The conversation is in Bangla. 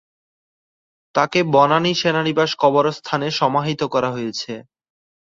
তাকে বনানী সেনানিবাস কবরস্থানে সমাহিত করা হয়েছে।